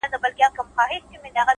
له ځان سره سوله خوښي راولي؛